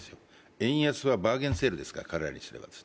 円安はバーゲンセールですから、彼らにすれば。